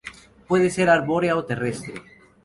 Puede ser arbórea o terrestre.